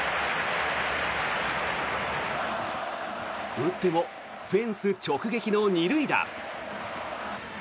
打ってもフェンス直撃の２塁打。